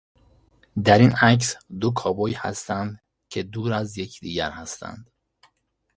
در این عکس دو کابوی هستند که دور از یکدیگر هستند.